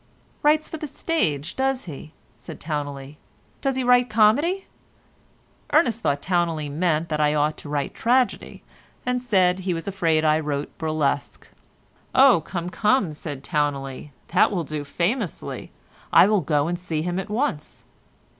"Writes for the stage, does he?" said Towneley. "Does he write comedy?" Ernest thought Towneley meant that I ought to write tragedy, and said he was afraid I wrote burlesque. "Oh, come, come," said Towneley, "that will do famously. I will go and see him at once."